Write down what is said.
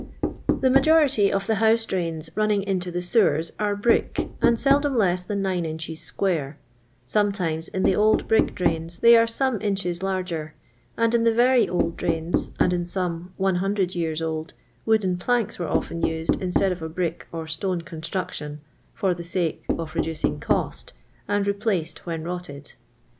The majority of the house drains ronning into the sewers are brick, and seldom less than 9 inches square ; sometimes, in the old brick drains, they are some inches lazier, and in the v^ old drains, and in some 100 years old, wooden planks were often used instead of a brick or stona construction, for the sake of reducing cost, and replaced when rotted.